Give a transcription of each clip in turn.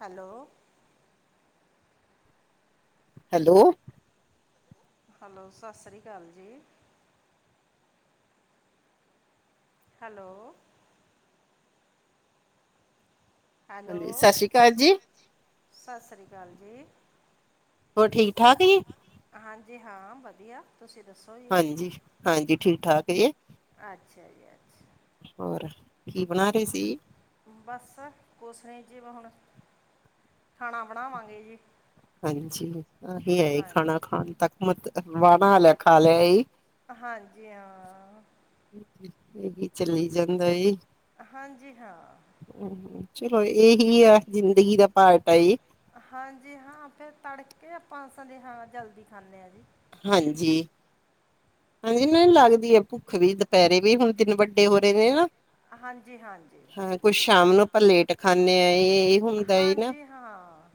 Hello. Hello hello, ਸਸ ਸ੍ਰੀ ਕਾਲ ਜੀ। ਹੈਲੋ ਹਾਂਜੀ ਸਤਿ ਹੈਲੋ, ਸ੍ਰੀ ਅਕਾਲ ਜੀ ਸਸ ਸ੍ਰੀ ਕਾਲ ਜੀ। ਹੋਰ, ਠੀਕ -ਠਾਕ ਜੀ? ਹਾਂਜੀ, ਹਾਂ ਵਧੀਆ ਤੁਸੀਂ ਦੱਸੋ? ਜੀ ਹਾਂਜੀ ਹਾਂਜੀ ਠੀਕ, ਠਾਕ ਏਜ ਅੱਛਾ ਜੀ, ਅੱਛਾ। ਹੋਰ, ਕੀ ਬਣਾ ਰੇ ਸੀ? ਬਸ ਕੁਛ ਨੀਂ, ਜਿਵੇ ਹੁਣ ਖਾਣਾ ਬਣਾਵਾਂਗੇ ਜੀ ਹਾਂਜੀ ਆਹੀ ਐ, ਖਾਣਾ ਹਾਂਜੀ ਖਾਣ ਤੱਕ। ਮ, ਵਾਹਨਾ ਲੈ, ਖਾ ਲੇਆ ਈ? ਹਾਂਜੀ, ਹਾਂ ਏਹੀ, ਚੱਲੀ ਜਾਂਦਾ ਏ। ਹਾਂਜੀ, ਹਾਂ। ਚਲੋ ਏਹੀ ਐ, ਜਿੰਦਗੀ ਦਾ ਪਾਰਟ ਆ ਏਹ। ਹਾਂਜੀ ਹਾਂ, ਫੇਰ ਤੜਕੇ, ਆਪਾਂ ਸਨੇਹਾ ਜਲਦੀ ਖਾਂਨੇ ਆਂ ਜੀ ਹਾਂਜੀ। ਹਾਂਜੀ ਮੈਨੂੰ ਲੱਗਦੀ ਏ, ਭੁੱਖ ਵੀ, ਦੁਪੈਰੇਂ ਵੀ, ਹੁਣ ਦਿਨ ਵੱਡੇ ਹੋ ਰਏ ਨੇ, ਨਾ। ਹਾਂਜੀ-ਹਾਂਜੀ। ਕੁਛ, ਸ਼ਾਮ ਨੂੰ ਆਪਾਂ ਲੇਟ ਖਾਂਨੇ ਆ। ਇਹ ਹੁੰਦਾ ਓਨਾ ਹਾਂਜੀ ਹਾਂ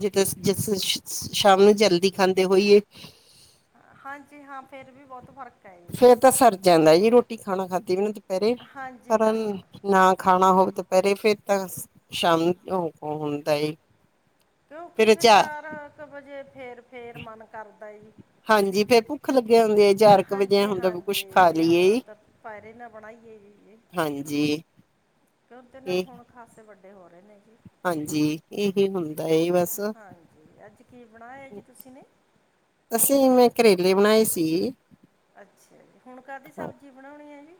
ਜਿੱਦ ਸ ਸ ਸ਼ਾਮ ਨੂੰ ਜਲਦੀ ਖਾਂਦੇ ਹੋਈਏ। ਹਾਂਜੀ ਹਾਂ, ਫੇਰ ਵੀ ਬੌੱਤ ਫਰਕ ਫੇਰ ਤਾਂ ਸਰ ਜਾਂਦਾ ਜੀ, ਰੋਟੀ ਖਾਣਾ ਖਾਧੀ ਵੀ ਨਾ ਦੁਪਹਿਰੇ ਹਾਂਜੀ ਪਰ ਹਾਂ ਨਾ, ਖਾਣਾ ਹੋਵੇ ਦੁਪਹੈਰੇ ਫਿਰ ਤਾਂ ਸ਼ਾਮ ਹੁੰਦਾ ਏ। ਕਿਉਂਕਿ, ਫੇਰ ਚਾਰ ਕੁ ਵਜੇ ਫੇਰ- ਫੇ‍ਰ ਮਨ ਕਰਦਾ ਜੀ। ਹਾਂਜੀ, ਫੇਰ ਭੁੱਖ ਲੱਗੇ ਜਾਂਦੀ ਐ। ਚਾਰ ਕੁ ਵਜਹਾ ਐਂ ਹਾਂਜੀ ਹੁੰਦਾ, ਵੀ ਕੁਛ ਹਾਂਜੀ ਖਾ ਜੀ ਹੁਣ ਲਈਏ, ਤਾਂ ਪੈਰੇ ਨਾ ਬਣਾਈਏ ਜੀ ਜੀ ਹਾਂਜੀ। ਕਿਉਂ ਤੇ ਨੇ ਇਹ ਹੁਣ ਖਾਸੇ ਵੱਡੇ ਹੋ ਰਏ ਨੇ। ਜੀ ਹਾਂਜੀ, ਏਹ ਹੁੰਦਾ ਐ ਬਸ। ਤੇ ਅੱਜ ਕੀ ਬਣਾਏਆ ਜੀ,? ਤੁਸੀਂ ਨੇ ਅਸੀਂ, ਮੈ ਕਰੇਲੇ ਬਣਾਏ ਸੀਗੇ। ਅੱਛਾ ਜੀ, ਹੁਣ ਕਾਹਦੀ ਸਬਜ਼ੀ ਬਣਾਉਣੀ ਹੈ ਜੀ?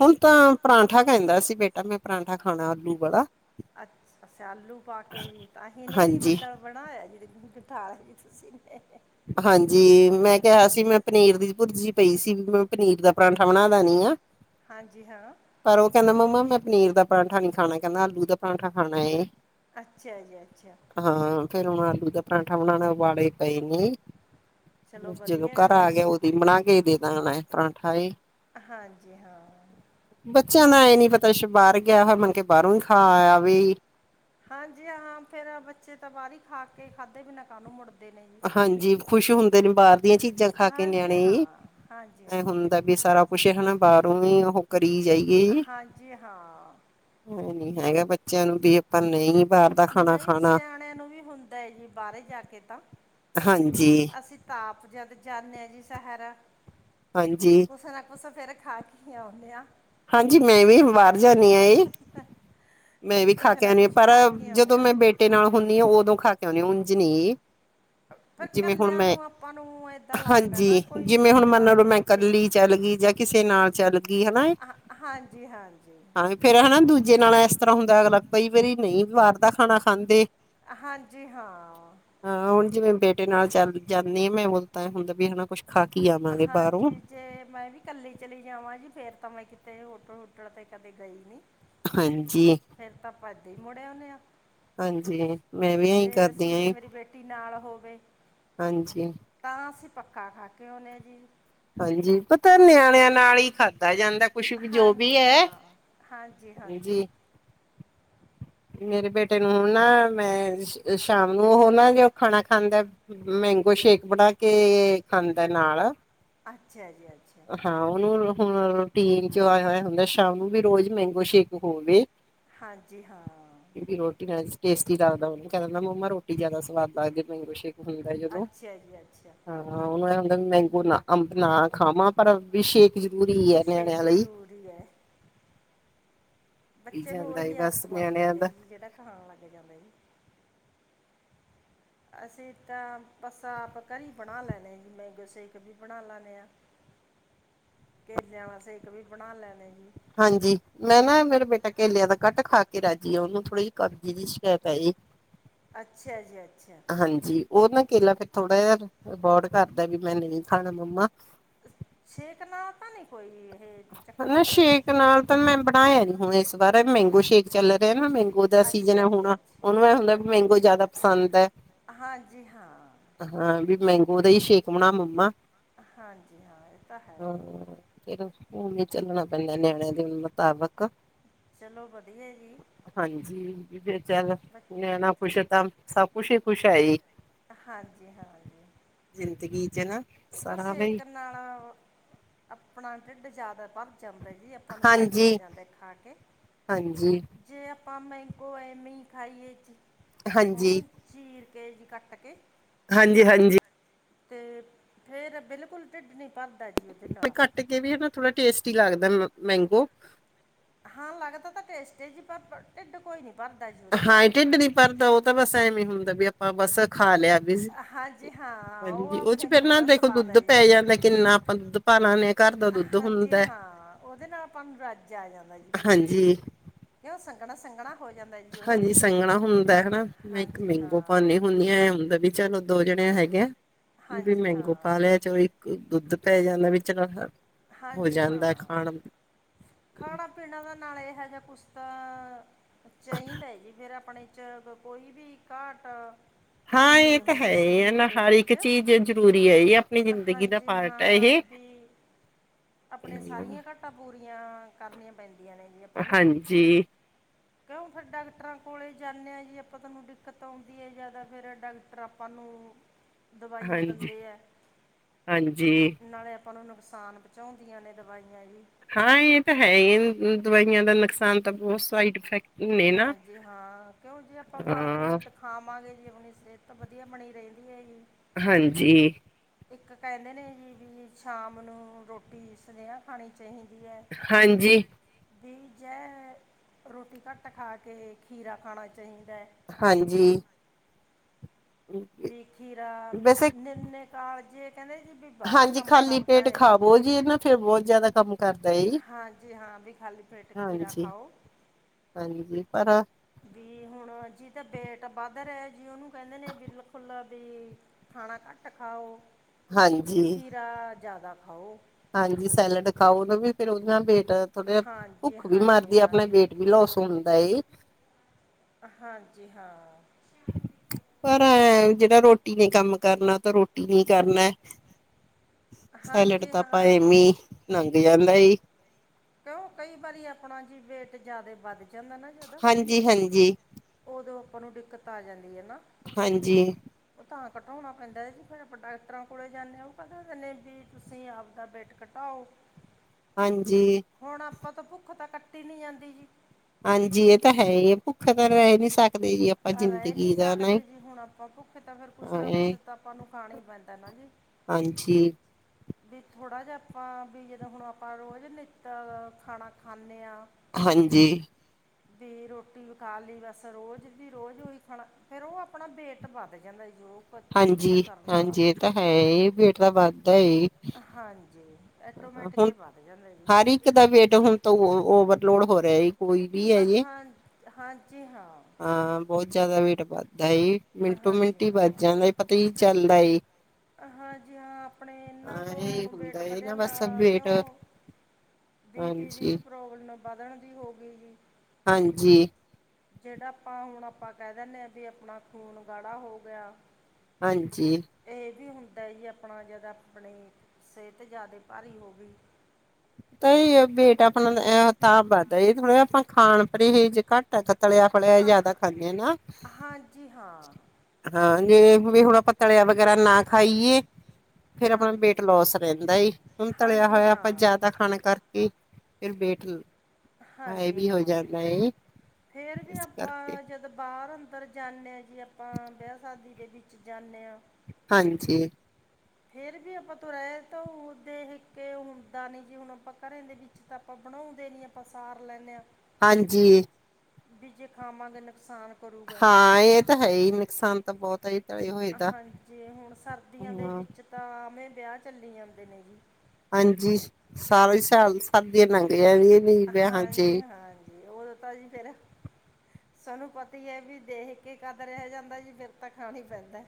ਹੁਣ ਤਾਂ ਪਰਾਂਠਾ ਕੈੰਦਾ ਸੀ ਬੇਟਾ, ਮੈਂ ਪਰਾਂਠਾ ਖਾਣਾ ਆਲੂ ਵਾਲਾ। ਅਸੀਂ ਆਲੂ ਪਾ ਕੇ ਜੀ, ਤਾਂ ਹੀ ਨੇਰੀ ਹਾਂਜੀ ਬੱਦਲ ਬ ਆ ਐ ਜੀ, ਦੇਖੋ ਗੁਠਾਲ [unintelligible] ਹਾਂਜੀ, ਮੈਂ ਕਿਹਾ ਸੀ ਮੈਂ ਪਨੀਰ ਦੀ ਭੁਰਜੀ ਪਈ ਸੀ, ਵੀ ਮੈਂ ਪਨੀਰ ਦਾ ਪਰਾਂਠਾ ਬਣਾ ਦੇਨੀਂ ਆ। ਹਾਂਜੀ ਹਾਂ, ਪਰ ਉਹ ਕੈਂਦਾ, ਮੰਮਾ ਮੈਂ ਪਨੀਰ ਦਾ ਪਰਾਂਠਾ ਨੀਂ ਖ਼ਾਨਾ ਕੈਂਦਾ, ਆਲੂ ਦਾ ਪਰਾਂਠਾ ਖਾਨਾ ਏ। ਅੱਛਾ ਜੀ ਅੱਛਾ ਹਾਂ ਫੇਰ ਹੁਣ ਆਲੂ ਦਾ ਪਰਾਂਠਾ ਬਣਾਣਾ ਵਾਲੇ ਪਏ ਨੇ। ਚਲੋ ਜਦੋਂ ਵਧੀਆ ਘਰ ਗੱਲ ਹੈ ਆ ਜੀ ਗਿਆ ਉਦੀ ਈ ਬਣਾ ਕੇ ਦੇਣਾ ਪਰਾਂਠਾ ਜੀ। ਹਾਂਜੀ ਹਾਂ, ਬੱਚਿਆਂ ਦਾ ਐ ਨੀ ਪਤਾ ਬਾਰ ਗਿਆ ਹੋਇਆ ਮੰਨ ਕੇ ਬਾਰੋਂ ਈ ਖਾ ਆਇਆ ਵੇ। ਹਾਂਜੀ ਹਾਂ ਫੇਰ ਬੱਚੇ ਤਾਂ ਬਾਰੀ ਈ ਖਾ ਕੇ ਖਾਧੇ ਬਿਨਾਂ ਕਾਨੂੰ ਮੁੜਦੇ ਨੇ। ਜੀ ਹਾਂਜੀ ਖੁਸ਼ ਹੁੰਦੇ ਨੇ ਬਾਰ ਦੀਆਂ ਚੀਜ਼ਾਂ ਖਾ ਕੇ ਹਾਂਜੀ ਨਿਆਣੇ ਈ ਹਾਂ ਹਾਂਜੀ ਐ ਹਾਂ ਹੁੰਦਾ ਵੀ ਸਾਰਾ ਕੁਛ ਹਨਾ ਬਾਰੋਂ ਵੀ ਉਹ ਕਰੀ ਜਾਈ ਹਾਂਜੀ ਹਾਂ, ਐ ਨੀ ਹੈਗਾ ਬੱਚਿਆਂ ਨੂੰ ਵੀ ਆਪਾਂ ਨਈ ਬਾਰ ਦਾ ਖਾਣਾ ਖਾਣਾ ਣਿਆਂ ਨੂੰ ਵੀ ਹੁੰ ਦਾ ਏ ਜੀ ਬਾਰੇ ਜਾ ਕੇ ਤਾਂ, ਹਾਂਜੀ, ਅਸੀਂ ਤਾ ਆਪ ਜਦ ਜਾਨੇ ਆ ਜੀ ਸ਼ਹਿਰ ਹਾਂਜੀ, ਕੁਸ ਨਾ ਕੁਛ ਫੇ ਖਾ ਕੇ ਈ ਆਓਨੇ ਆ। ਹਾਂਜੀ ਮੈਂ ਵੀ ਬਾਰ ਜਾਨੀ ਆ ਜੀ। ਮੈਂ ਵੀ ਕੁਛ ਖਾ ਕੇ ਨਾ ਆਨੀ ਆ ਕੁਛ ਪਰ ਖਾ ਕੇ ਆਉਂਦੇ ਜਦੋਂ ਹਾਂ ਮੈਂ ਬੇਟੇ ਨਾਲ ਹੁਨੀ ਆ ਉਦੋਂ ਖਾ ਕੇ ਆਉਨੀ ਆ ਉੰਝ ਨੀ [inaudible] ਜਿਵੇਂ ਹੁਣ ਮੈਂ, ਨੂੰ ਆਪਾਂ ਨੂੰ ਏਦਾਂ ਲੱਗਦਾ ਨਾ ਹਾਂਜੀ ਕੋਈ ਜਿਵੇਂ ਹੁਣ ਪਿੰਡ ਦਾ ਮੰਨ ਲੋ ਮਿਲ ਮੈਂ ਜੇ ਕੱਲੀ ਚੱਲ ਗਈ ਜਾਂ ਕਿਸੇ ਨਾਲ ਚੱਲ ਗੀ ਹਨਾ ਜੀ ਹਾਂ, ਹਾਂਜੀ ਹਾਂਜੀ। ਫੇਰ ਹਨਾ ਦੂਜੇ ਨਾਲ ਏਸ ਤਰ੍ਹਾਂ ਹੁੰਦਾ ਅਗਲਾ ਕਈ ਵਾਰੀ ਨਈ ਬਾਰ ਦਾ ਖਾਣਾ ਖਾਂਦੇ। ਹਾਂਜੀ ਹਾਂ। ਹਾਂ ਹੁਣ ਜਿਵੇਂ ਬੇਟੇ ਨਾਲ ਚੱਲ ਜਾਨੀ ਆ ਮੈਂ ਉਹ ਤਾਂ ਹੁੰਦਾ ਵੀ ਹਨਾ ਕੁਛ ਖਾ ਕੇ ਆਵਾਂਗੇ ਬਾਹਰੋਂ ਹਾਂਜੀ ਜੇ ਮੈ ਵੀ ਕੱਲੀ ਚਲੀ ਜਾਵਾਂ ਜੀ ਫੇਰ ਤਾਂ ਮੈਂ ਕਿਤੇ ਹੋਟਲ ਹੁਟਲ ਤੇ ਕਦੇ ਗਈ ਨੀ। ਹਾਂਜੀ, ਫੇਰ ਤਾਂ ਆਪਾਂ ਏਦਾਂ ਈ ਮੁੜੇ ਆਓਨੇ ਆ। ਹਾਂਜੀ ਮੈਂ ਵੀ ਅਈ ਕਰਦੀ ਅਸੀਂ ਆ ਜੀ। [unintelligible] ਨਾਲ ਹੋਵੇ। ਹਾਂਜੀ, ਤਾਂ ਅਸੀਂ ਪੱਕਾ ਖਾ ਕੇ ਆਉਂਨੇ ਆ ਜੀ। ਹਾਂਜੀ ਪਤਾ ਨਿਆਣਿਆਂ ਨਾਲ ਈ ਖਾਧਾ ਜਾਂਦਾ। ਕੁਛ ਜੋ ਵੀ ਹਾਂਜੀ ਐ ਹਾਂ ਹਾਂਜੀ। ਮੇਰੇ ਬੇਟੇ ਨੂੰ ਨਾ ਮੈਂ ਸ਼ਾਮ ਨੂੰ ਔਹੋ ਨਾ ਜਦ ਖਾਣਾ ਖਾਂਦਾ। ਮੈਂਗੋ ਸ਼ੇਕ ਬਣਾ ਕੇ ਖਾਂਦਾ ਨਾਲ ਅੱਛਾ ਜੀ ਅੱਛਾ, ਹਾਂ ਉਹਨੂੰ ਹੁਣ ਰੂਟੀਨ ਚ ਆਇਆ ਹੋਇਆ ਹੁੰਦਾ ਸ਼ਾਮ ਨੂੰ ਵੀ ਰੋਜ਼ ਮੈਂਗੋ ਸ਼ੇਕ ਹੋਵੇ। ਹਾਂਜੀ ਹਾਂ। ਕਿਉਂਕਿ ਰੋਟੀ ਨਾਲ ਟੇਸਟੀ ਲਗਦਾ ਔਨੂੰ ਕਹਿ ਦਿੰਦਾ ਮੰਮਾ ਰੋਟੀ ਜਿਆਦਾ ਸਵਾਦ ਲੱਗਦੀ ਐ ਮੈਂਗੋ ਸੇਕ ਹੁੰਦਾ ਜਦੋਂ ਅੱਛਾ ਜੀ ਅੱਛਾ ਹਾਂ ਉਹਨੂੰ ਹੁੰਦਾ ਮੈਂਗੂ ਨਾ ਅੰਬ ਨਾ ਖਾਵਾਂ ਪਰ ਵੀ ਸ਼ੇਕ ਜ਼ਰੂਰੀ ਐ ਨਿਆਣਿਆਂ ਲਈ। ਵੀ ਐ। ਪੀ ਬੱਚੇ ਨੂੰ ਜਾਂਦਾ ਏ ਉਹੀ ਬਸ ਆਦਤ ਬਣ ਨਿਆਣਿਆਂ ਜਾਂਦੀ ਐ ਦਾ ਜੀ ਜਿਹੜਾ ਖਾਣ ਲੱਗ ਜਾਂਦਾ ਜੀ। ਅਸੀਂ ਤਾਂ ਬਸ ਆਪ ਘਰੀ ਬਣਾ ਲੈਨੇ ਆ ਜੀ ਮੈਗੋ ਸੇਕ ਵੀ ਬਣਾ ਲੈਨੇ ਆ। ਕੇਲਿਆਂ ਵਾਲਾ ਸੇਕ ਵੀ, ਬਣਾ ਲੈਣੇ ਜੀ। ਹਾਂਜੀ। ''ਮੈਂ ਨਾ ਮੇਰਾ ਬੇਟਾ ਕੇਲਿਆਂ ਦਾ ਕੱਟ ਖਾਕੇ ਰਾਜੀ ਆ, ਉਹਨੂੰ ਥੋੜ੍ਹੀ ਜਹੀ ਕਬਜ਼‌ ਦੀ ਸ਼ਿਕਾਇਤ ਆ ਜੀ। ਅੱਛਾ ਜੀ, ਅੱਛਾ। ਹਾਂਜੀ, ਉਹ ਨਾ ਕੇਲਾ ਫੇਰ ਥੋੜਾ ਜਿਹਾ ਅਬੋਡ ਕਰਦਾ ਵੀ, ਮੈਂ ਨਹੀਂ ਖਾਣਾ ਮੰਮਾ। ਸ਼ੇਕ ਨਾਲ ਤਾਂ ਨਹੀਂ, ਕੋਈ ਇਹ ਚੱਕਰ ਹੁੰਦਾ ਜੀ। ਪਰ ਮੈਂ ਬਣਾਇਆ ਨੀ ਹੁਣ ਇਸ ਬਾਰ, ਮੈਂਗੋ ਸ਼ੇਕ ਚੱਲ ਰਿਹਾ ਨਾ ਮੈਂਗੋ ਦਾ ਸੀਜਨ ਹੈ ਅੱਛਾ ਜੀ ਹੋਣਾ, ਉਹਨੂੰ ਐ ਹੁੰਦਾ ਅੱਛਾ ਵੀ ਅੱਛਾ ਮੈਂਗੋ ਜ਼ਿਆਦਾ ਪਸੰਦ ਐ। ਹਾਂਜੀ ਹਾਂ ਹਾਂ, ਵੀ ਮੈਂਗੋ ਦਾ ਈ ਸ਼ੇਕ ਬਣਾ ਮੰਮਾ। ਹਾਂਜੀ-ਹਾਂ, ਇਹ ਤਾ ਹੈ ਹਾਂ ਈ। ਫਿਰ ਹੁਣ ਵੀ ਚੱਲਣਾ ਪੈਂਦਾ, ਨਿਆਣਿਆਂ ਦੇ ਮੁਤਾਬਿਕ। ਚਲੋ ਵਧੀਆ ਜੀ। ਹਾਂਜੀ, ਚੱਲ ਬੱਚ- ਨਿਆਣਾ ਖੁਸ਼ ਤਾਂ, ਸਭ ਕੁਛ ਹੀ ਖੁਸ਼ ਹੈਹੀ। ਹਾਂਜੀ-ਹਾਂਜੀ। ਜ਼ਿੰਦਗੀ'ਚ ਨਾ। ਕਿ ਸਾਰਾ ਵੀ ਸੇਕ ਨਾਲ, ਅਪਣਾ ਢਿੱਡ ਜ਼ਿਆਦਾ ਭਰ ਜਾਂਦਾ ਜੀ, ਆਪਾਂ ਨੂੰ ਰੱਜ ਆ ਹਾਂਜੀ ਜਾਂਦਾ ਖਾਕੇ। ਹਾਂਜੀ ਜੇ, ਆਪਾਂ ਮੈਂਗੋ ਐਮੀ ਖਾਈਏ ਹਾਂਜੀ। ਉਹਨੂੰ ਚੀਰ ਕੇ ਜੀ, ਕੱਟਕੇ। ਹਾਂਜੀ-ਹਾਂਜੀ। ਤੇ, ਫੇਰ ਬਿਲਕੁਲ ਢਿੱਡ ਨੀ ਭਰਦਾ ਜੀ, ਉਹਦੇ ਨਾਲ। ਤੇ ਕਿਵੇਂ ਆ ਨਾ, ਥੋੜਾ ਟੇਸਟੀ ਲੱਗਦਾ ਮੈਂਗੋ। ਹਾਂ, ਲੱਗਦਾ ਤਾਂ ਟੇਸਟੀ ਜੀ, ਪਰ ਢਿੱਡ ਕੋਈ ਨੀ ਹਾਂਏ, ਢਿੱਡ ਨੀ ਭਰਦਾ ਉਹ ਤਾਂ ਬਸ ਐਵੇਂ ਹੁੰਦਾ, ਵੀ ਆਪਾਂ ਬਸ ਖਾਲਿਆ। ਹਾਂਜੀ-ਹਾਂ, ਉਹ ਆਪਦੇ ਫੇਰ ਮੂੰਹ ਨਾ ਦਾ ਦੇਖੋ ਸਵਾਦ ਆ ਦੁੱਧ ਜੀ। ਪੈ ਜਾਂਦਾ ਕਿੰਨਾ ਆਪਾਂ ਦੁੱਧ ਪਾ ਲਾਨੇ ਆ ਘਰ ਦਾ ਦੁੱਧ ਹੁੰਦਾ ਹਾਂਜੀ-ਹਾਂ, ਉਹਦੇ ਨਾਲ ਆਪਾਂ ਨੂੰ ਰੱਜ ਆ ਜਾਂਦਾ ਜੀ ਪੀਕੇ। ਹਾਂਜੀ ਕਿਉਂ, ਸੰਘਣਾ-ਸੰਘਣਾ ਹੋ ਜਾਂਦਾ। ਜੀ ਉਹ ਹਾਂਜੀ ਸੰਘਣਾ ਹੁੰਦਾ ਹਨਾ, ਮੈਂ ਇੱਕ ਹਾਂਜੀ ਮੈਂਗੋ ਹਾਂ ਪਾਂਨੀ ਹੁੰਨੀ ਆਂ, ਐ ਹੁੰਦਾ ਵੀ ਚਲੋ ਦੋ ਜਣੇ ਹੈਗੇ ਆ, ਵੀ ਹਾਂਜੀ ਹਾਂ ਮੈਂਗੋ ਪਾਲਿਆ ਚਲੋ ਜੀ। ਦੁੱਧ ਪੈ ਜਾਂਦਾ ਵਿਚ, [inaudible] ਹੋ ਹਾਂਜੀ ਜਾਂਦਾ ਖਾਣ। ਪਿੰਡਾਂ ਦਾ ਨਾਲ ਇਹ ਹੈਗਾ, ਕੁਸ ਤਾ ਚਾਹੀਦਾ ਹੈ ਜੀ, ਫੇਰ ਆਪਣੇ ਚ, ਕੋਈ ਵੀ ਘਾਟ ਹਾਂ ਨਹੀਂ ਇਹ ਤਾਂ ਹੁੰਦੀ ਹੈ ਹੀ ਹੈ ਸਰੀਰ ਨਾ ਦੇ ਹਰ ਇੱਕ ਵਿੱਚ, ਚੀਜ਼ ਜ਼ਰੂਰੀ ਹੈ ਇਹ ਆਪਣੀ ਜ਼ਿੰਦਗੀ ਦਾ ਪਾਰਟ ਹੈ ਹਾਂਜੀ-ਹਾਂ, ਇਹ ਵੀ ਆਪਣੇ ਸਾਰੀਆਂ ਘਾਟਾਂ ਪੂਰੀਆਂ ਕਰਨੀਆਂ ਪੈਂਦੀਆਂ ਨੇ ਜੀ, ਆਪਾਂ ਨੂੰ। ਹਾਂਜੀ ਕਿਉਂ ਫਿਰ ਡਾਕਟਰਾਂ ਕੋਲ ਜਾਂਨੇ ਆ ਜੀ, ਆਪਾਂ ਤੁਹਾਨੂੰ ਦਿੱਕਤ ਆਉਂਦੀ ਹੈ ਜਾਦਾ ਫਿਰ ਡਾਕਟਰ ਆਪਾਂ ਨੂੰ ਦਵਾਈਆਂ ਹਾਂਜੀ ਦੰਦੇ ਆ, ਹਾਂਜੀ ਨਾਲੇ ਆਪ ਆਪਾਂ ਨੂੰ ਨੁਕਸਾਨ ਪਹੁੰਚਾਉਂਦੀਆਂ ਨੇ, ਦਵਾਈਆਂ ਜੀ। ਹਾਂ, ਇਹ ਤਾਂ ਹੈਹੀ ਦਵਾਈਆਂ ਦਾ ਨੁਕਸਾਨ ਤਾਂ ਬਹੁਤ ਸਾਈਡ-ਫਾਇਕਟ ਹਾਂਜੀ-ਹਾਂ, ਕਿਉਂ ਜੇ ਆਪਾਂ ਫਲ ਹਾਂ ਫਲੂਟ ਖਾਵਾਂਗੇ ਜੀ, ਆਪਣੀ ਸਿਹਤ ਤਾਂ ਵਧੀਆ ਬਣੀ ਰਹਿੰਦੀ ਹੈਗੀ। ਹਾਂਜੀ। ਇੱਕ ਕਹਿੰਦੇ ਨੇ ਜੀ ਵੀ ਸ਼ਾਮ ਨੂੰ, ਰੋਟੀ ਸਨੇਹਾ ਖਾਣੀ ਚਾਹੀਦੀ ਹੈ। ਹਾਂਜੀ। ਵੀ ਜੈ ਰੋਟੀ ਘੱਟ ਖਾ ਕੇ ਖੀਰਾ ਖਾਣਾ ਚਾਹੀਦਾ ਹਾਂਜੀ ਖੀਰਾ ਵੈਸੇ ਨਿੰਨੇ ਕਾਲਜੇ ਕਹਿੰਦੇ ਬੜਾ ਹਾਂਜੀ ਕੰਮ ਖਾਲੀ ਕਰਦਾ ਪੇਟ ਇਹ ਖਾਵੋ ਜੀ ਇਹ ਨਾ ਫੇਰ ਬਹੁਤ ਜ਼ਿਆਦਾ ਕੰਮ ਕਰਦਾ ਏ ਜੀ। ਹਾਂਜੀ ਹਾਂ ਵੀ ਖਾਲੀ ਫੇਟ ਖੀਰਾ ਹਾਂਜੀ ਖਾਓ ਹਾਂਜੀ ਪਰ ਵੀ ਹੁਣ ਜੀਦਾ ਵੇਟ ਵੱਧ ਰਿਹਾ ਜੀ ਉਹਨੂੰ ਕਹਿੰਦੇ ਨੇ ਜਿਹਨੂੰ ਫੁੱਲ ਵੀ ਖਾਣਾ ਘੱਟ ਖਾਓ ਹਾਂਜੀ ਜਾ ਜ਼ਿਆਦਾ ਖਾਓ ਹਾਂਜੀ ਸੈਲਡ ਖਾਓ ਉਹਨੂੰ ਵੀ ਫਿਰ ਉਹਦੇ ਨਾਲ ਵੇਟ ਥੋੜਾਹਾ ਹਾਂਜੀ ਭੁੱਖ ਵੀ ਹਾਂਜੀ ਮਾਰਦੀ ਹੈ ਆਪਣਾ ਹਾਂਜੀ ਵੇਟ ਵੀ ਲੋਸ ਹੁੰਦਾ ਏ ਹਾਂਜੀ ਹਾਂ। ਪਰ ਐ ਜਿਹੜਾ ਰੋਟੀ ਨੇ ਕੰਮ ਕਰਨਾ ਤਾਂ ਰੋਟੀ ਨੀ ਕਰਨਾ [inaudible] ਸੈਲਡ ਹਾਂਜੀ ਤਾਂ ਆਪਾਂ ਹਾਂ ਐਵੇਂ ਲੰਘ ਜਾਂਦਾ ਜੀ ਕਿਉਂ ਕਈ ਵਾਰੀ ਆਪਣਾ ਜੀ ਵੇਟ ਜਿਆਦਾ ਵੱਧ ਜਾਂਦਾ ਨਾ ਜਾਂਦਾ ਹਾਂਜੀ ਹਾਂਜੀ ਉਦੋਂ ਆਪਾਂ ਨੂੰ ਦਿੱਕਤ ਆ ਜਾਂਦੀ ਹੈ ਨਾ ਹਾਂਜੀ ਉਹ ਤਾਂ ਘਟਾਉਣਾ ਪੈਂਦਾ ਹੈ ਜੀ ਫਿਰ ਆਪਾਂ ਡਾਕਟਰਾਂ ਕੋਲੇ ਜਾਂਦੇ ਹਾਂ ਉਹ ਕ ਦਿੰਦੇ ਵੀ ਤੁਸੀਂ ਆਪਦਾ ਬੇਟ ਕੱ ਤਾਂ ਉਹ ਹਾਂਜੀ ਹੁਣ ਆਪਾਂ ਤਾਂ ਭੁੱਖ ਤਾਂ ਕੱਟੀ ਨਹੀਂ ਜਾਂਦੀ ਜੀ ਹਾਂਜੀ ਇਹ ਤਾਂ ਹੈ ਹੀ ਭੁੱਖੇ ਤਾਂ ਰਹਿ ਨੀ ਸਕਦੇ ਜੀ ਆਪਾਂ ਆ ਰਹਿ ਨੀ ਜ਼ਿੰਦਗੀ ਦਾ ਨਾ ਸਕਦੇ ਜੀ ਹੁਣ ਆਪਾਂ ਭੁੱਖੇ ਤਾਂ ਫਿਰ ਕੁਛ ਹਾਂ ਨਾ ਕੁਛ ਤਾਂ ਆਪਾਂ ਨੂੰ ਖਾਣਾ ਹੀ ਪੈਂਦਾ ਨਾ ਜੀ ਹਾਂਜੀ ਵੀ ਥੋੜਾ ਜਿਹਾ ਆਪਾਂ ਵੀ ਜਦੋਂ ਹੁਣ ਆਪਾਂ ਰੋਜ਼ ਨਿੱਤ ਖਾਣਾ ਖਾਂਦੇ ਹਾਂ। ਹਾਂਜੀ ਤੇ ਰੋਟੀ ਪਕਾ ਲਈ ਬਸ ਰੋਜ਼ ਵੀ ਰੋਜ਼ ਉਹੀ ਖਾਣਾ ਫਿਰ ਉਹ ਆਪਣਾ ਵੇਟ ਵੱਧ ਜਾਂਦਾ ਜੀ ਕ ਹਾਂਜੀ ਕਰਨ ਵਾਲਾ ਹਾਂਜੀ ਇਹ ਤਾਂ ਹੈ ਪੇਟ ਤਾਂ ਵੱਧਦਾ ਹਾਂਜੀ ਆਟੋਮੈਟਿਕ ਹੁਣ ਹੀ ਵੱਧ ਜਾਂਦਾ ਜੀ ਹਰ ਇੱਕ ਦਾ ਵੇਟ ਹੁਣ ਤਾਂ ਓਵਰਲੋਡ ਹੋ ਰਿਹਾ ਕੋਈ ਵੀ ਹੈ ਹਾਂ ਜੇ ਹਾਂ ਬਹੁਤ ਜ਼ਿਆਦਾ ਵੇਟ ਵੱਧਦਾ ਜੀ ਮਿੰਟੋ ਹਾਂਜੀ ਮਿੰਟ ਹੀ ਵੱਧ ਹਾਂ ਜਾਂਦਾ ਪਤਾ ਹੀ ਚੱਲਦਾ ਏ ਹਾਂਜੀ ਹਾਂ ਆਪਣੇ ਇਹਨਾਂ ਹਾਂ ਤੋਂ ਇਹ ਹੁਣ ਵੇਟ ਹੁੰਦਾ ਇਹ ਵਧਿਆ ਨਾ ਬਸ ਹਾਂ ਵੇਟ ਕਿਉਂ ਬੀਪੀ ਦੀ ਵੀ ਹਾਂਜੀ ਪ੍ਰੋਬਲਮ ਵਧਣ ਦੀ ਹੋ ਗਈ ਜੀ ਹਾਂਜੀ ਜਿਹੜਾ ਆਪਾਂ ਹੁਣ ਆਪਾਂ ਕਹਿ ਦਿੰਦੇ ਹਾਂ ਵੀ ਆਪਣਾ ਖੂਨ ਗਾੜਾ ਹੋ ਗਿਆ। ਹਾਂਜੀ ਇਹ ਵੀ ਹੁੰਦਾ ਜੀ ਆਪਣਾ ਜਿਆਦਾ ਆਪਣੀ ਸਿਹਤ ਜ਼ਿਆਦੀ ਭਾਰੀ ਹੋ ਗਈ ਤਾਂ ਹੀ ਵੇਟ ਆਪਣਾ ਤਾਂ ਵੱਧਦਾ ਜ ਥੋੜਾ ਆਪਾਂ ਖਾਣ ਪਰਹੇਜ਼ ਹੀ ਘੱਟ ਹੈ ਤਲਿਆ ਫਲਿਆ ਹੀ ਆਹ ਜ਼ਿਆਦਾ ਖਾਂਦੇ ਆ ਨਾ ਹਾਂਜੀ ਹਾਂ ਹਾਂ ਨਹੀਂ ਨਹੀਂ ਹੁਣ ਆਪ ਟਲਿਆ ਵਗੈਰਾ ਨਾ ਖਾਈਏ ਫਿਰ ਆਪਣਾ ਹਾਂਜੀ ਵੇਟ ਲੋਸ ਰਹਿੰਦਾ ਹੁਣ ਤਲਿਆ ਹਾਂਜੀ ਹੋਇਆ ਆਪਾਂ ਹਾਂ ਜ਼ਿਆਦਾ ਖਾਣਾ ਕਰਕੇ ਫਿਰ ਬੈਠ ਲੋ ਹਾਂਜੀ ਹਾਂ, ਫੇਰ ਵੀ ਇਸ ਕਰਕੇ ਆਪਾਂ ਜਦੋਂ ਬਾਹਰ ਅੰਦਰ ਜਾਂਨੇ ਆਂ ਜੀ ਆਪਾਂ, ਵਿਆਹ ਸ਼ਾਦੀ ਦੇ ਵਿੱਚ ਜਾਂਨੇ ਆਂ ਹਾਂਜੀ ਫੇਰ ਵੀ ਆਪਾਂ ਤ ਰਹਿ ਤਾਂ ਦੇਖ ਕੇ ਹੁੰਦਾ ਨੀ ਜੀ, ਹੁਣ ਆਪਾਂ ਘਰੇ ਦੇ ਵਿੱਚ ਅਤੇ ਆਪਾਂ ਬਣਾਉਦੇ ਨਹੀਂ ਆਪਾਂ ਸਾਰ ਲੈਂਦੇ ਹਾਂ ਹਾਂਜੀ ਬੀ ਜੇ ਖਾਵਾਂਗੇ ਨੁਕਸਾਨ ਕਰੂਗਾ ਹਾਂ ਇਹ ਤਾਂ ਹੈ ਹੀ ਨੁਕਸਾਨ ਤਾਂ ਬਹੁਤ ਹੈ ਜੀ ਹਾਂਜੀ ਹੁਣ ਸਰਦੀਆਂ ਦੇ ਹਾਂ ਵਿੱਚ ਤਾਂ, ਆਵੇਂ ਵਿਆਹ ਚੱਲੀ ਜਾਂਦੇ ਨੇ ਜੀ ਹਾਂਜੀ ਸਾਰਾ ਸਾਲ ਸਰਦੀਆਂ ਲੰਘ ਜਾਂਦੀਆ ਹਾਂਜੀ ਹਾਂਜੀ ਓਹਦੋਂ ਤਾ ਜੀ ਫਿਰ ਸਾਨੂੰ ਪਤਾ ਹੈ ਵੀ ਦੇਖ ਕੇ ਕਦ ਰਹਿ ਜਾਂਦਾ ਜੀ, ਫਿਰ ਤਾਂ ਖਾਣਾ ਪੈਂਦਾ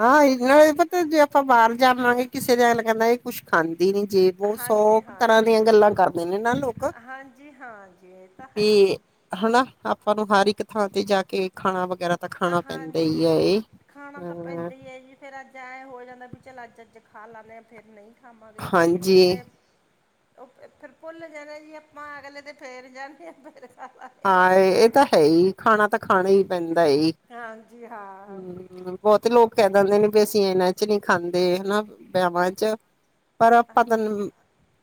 ਹਾਂ ਇਹ ਨਾਲ ਪਤਾ ਜੇ ਆਪਾਂ ਬਾਹਰ ਜਾਵਾਂਗੇ ਕਿਸੇ ਗੱਲ ਕਰਨਾ ਕੁਛ ਖਾਂਦੀ ਨੀ, ਜੇ ਬਹੁਤ ਹਾਂਜੀ ਸੋ ਤਰ੍ਹਾਂ ਹਾਂਜੀ ਦੀਆਂ ਗੱਲਾਂ ਕਰਦੇ ਨੇ ਨਾ ਲੋਕ ਓਹ ਤਾਂ ਹੈ ਵੀ ਹੀ ਹਨਾ ਆਪਾਂ ਨੂੰ ਹਰ ਇੱਕ ਥਾਂ ਤੇ ਜਾ ਕੇ ਖਾਣਾ ਵਗੈਰਾ ਤਾਂ ਖਾਣਾ ਪੈਂਦਾ ਹੀ ਹਾਂਜੀ ਹੈ ਇਹ ਖਾਣਾ ਤਾਂ ਹਮ ਪੈਂਦਾ ਹੀ ਹੈ ਵੀ ਫੇਰ ਅੱਜ ਐਂ ਹੋ ਜਾਂਦਾ ਵੀ ਚੱਲ ਅੱਜ ਅੱਜ ਖਾ ਲਾਦੇ ਹ ਆ ਫਿਰ ਨਹੀਂ ਖਾਵਾਂਗੇ ਹਾਂਜੀ ਤੇ ਫਿਰ ਭੁੱਲ ਜਾਣਾ ਜੀ ਆਪਾਂ, ਅਗਲੇ ਤੇ ਫੇਰ ਜਾਦੇ ਆ ਮੇਰੇ ਹਾਂ ਇਹ ਤਾਂ ਹੈ ਹੀ ਖਾਣਾ ਤਾਂ ਖਾਣਾ ਹੀ ਪੈਂਦਾ ਈ ਹਾਂ ਹਾਂਜੀ ਹਾਂ ਬਹੁਤੇ ਲੋਕ ਕਹਿ ਦਿੰਦੇ ਨੇ ਵੀ ਅਸੀਂ ਇਹਨਾਂ ਚ ਨਹੀਂ ਖਾਂਦੇ ਹੈਨਾ, ਵਿਆਹਾਂ ਚ ਪਰ ਆਪਾਂ ਤੈਨੂੰ,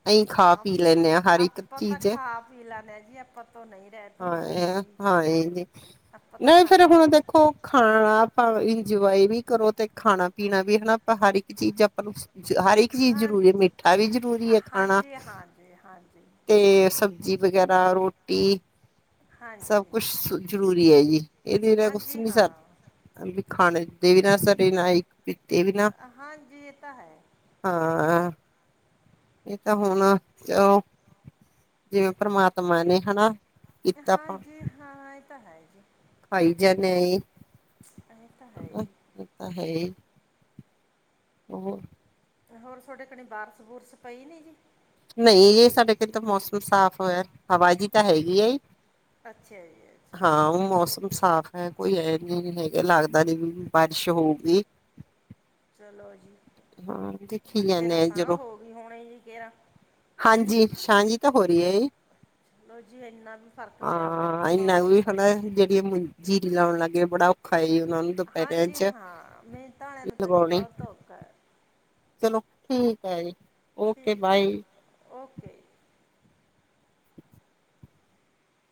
ਅਸੀਂ ਨਾ ਖਾ ਪੀ ਲੈਂਦੇ ਹਾਂ ਹਰ ਇੱਕ ਚੀਜ਼ ਹੈ ਪੀਲਾ ਨੇ ਜੀ ਆਪਾਂ ਤੋਂ ਨਹੀਂ ਰਹਿਤ ਹਾਂ ਏ ਹੁੰਦੀ ਹੈ, ਹੈਗੀ ਹਾਂ ਏ ਜੀ, ਆਪਾਂ ਤਾਂ ਨਹੀਂ ਫੇਰ ਖਾਂਦੇ ਹੁਣ ਦੇਖੋ ਖਾਣਾ ਆਪਾਂ ਇੰਜੋਏ ਵੀ ਕਰੋ ਤੇ ਖਾਣਾ ਪੀਣਾ ਵੀ ਹਨਾ ਆਪਾਂ ਹਰ ਇੱਕ ਚੀਜ਼ ਆਪਾਂ ਨੂੰ ਹਰ ਇੱਕ ਚੀਜ਼ ਹਾਂ ਜ਼ਰੂਰੀ ਹੈ, ਜੀ ਮਿੱਠਾ ਵੀ ਜ਼ਰੂਰੀ ਹੈ ਖਾਣਾ ਹਾਂਜੀ ਹਾਂਜੀ ਹਾਂਜੀ ਹਾਂਜੀ ਤੇ ਸਬਜ਼ੀ ਵਗੈਰਾ ਰੋਟੀ ਸਭ ਹਾਂਜੀ ਕੁਛ ਜ਼ਰੂਰੀ ਹੈਜੀ, ਇਹਦੇ ਨਾਲ ਕੁਛ ਹਾਂਜੀ ਨੀ ਸਰ ਹਾਂ ਵੀ ਖਾਣੇ ਦਦੇ ਵੀ ਨਾ ਸਰੇ ਨਾਲ ਇੱਕ ਪੀਤੇ ਵੀ ਨਾ ਹਾਂਜੀ ਇਹ ਤਾਂ ਹੈ [unintelligible] ਹਾਂ ਇਹ ਤਾਂ ਹੁਣ ਚਲੋ ਜਿਵੇਂ ਪਰਮਾਤਮਾ ਨੇ ਹਨਾ ਕੀਤਾ ਆਪਾਂ ਹਾਂਜੀ ਹਾਂ ਇਹ ਤਾਂ ਹੈ ਹੀ ਐ ਖਾਈ ਜਾਨੇ ਆ ਅਸੀਂ ਹਾਂ ਏ ਤਾਂ ਹੈ ਹੀ। ਔ ਤਾਂ ਹੈ ਈ ਉਹ ਹੋਰ ਤੁਹਾਡੇ ਕਣੀ ਬਾਰਸ਼ ਬੁਰਸ਼ ਪਈ ਨੀ ਜੀ। ਨਹੀਂ ਯੈ ਸਾਡੇ ਕਿੱਥੋਂ ਮੌਸਮ ਸਾਫ਼ ਹੋਇਆ ਏ, ਹਵਾ ਜੀ ਤਾਂ ਹੈਹੀ ਹੈ। ਅੱਛਾ ਜੀ ਅੱਛਾ। ਹਾਂ ਮੌਸਮ ਸਾਫ ਹੈ, ਕੋਈ ਐਨ ਨੀ ਹੈਗਾ, ਲੱਗਦਾ ਨੀ ਵੀ ਬਾਰਿਸ਼ ਹੋਊਗੀ। ਚਲੋ ਜੀ, ਹਾਂ ਦੇਖੀ ਤੇਰਾ ਜਾਂਦੇ ਆ ਸਾਝ ਜਦੋਂ ਹੋ ਗਈ ਹੁਣੇ ਜੀ ਗਿਆ ਹਾਂਜੀ ਸਾਂਝ ਜੀ ਤਾਂ ਹੋ ਰਹੀ ਹੈ ਜੀ ਚਲੋ ਜੀ ਇੰਨਾ ਵੀ ਫਰਕ ਪਿਆ ਬਹੁਤ ਹਾਂ ਹੈ ਇਨਾ ਕੁ ਮੌਸਮ ਦਾ ਹਨ ਜਿਹੜੀ ਜੀਰੀ ਲਾਉਣ ਲੱਗੇਏ, ਬੜਾ ਔਖਾ ਐ ਉਹਨਾ ਨੂੰ ਦੁਪਹਿਰਿਆਂ ਹਾਂਜੀ ਚ ਹਾਂ ਮੈਂ ਤਾ [unintelligible] ਨੂੰ ਤੇ ਲਗਾਉਣੇ ਬੌਤ ਔਖਾ। ਚਲੋ ਠੀਕ ਹੈ ਜੀ। ਓਕੇ ਠੀਕ ਹੈ ਬਾਏ। ਜੀ, ਓਕੇ ਜੀ।